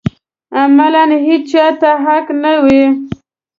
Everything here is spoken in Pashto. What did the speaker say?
عملاً هېچا ته حق نه و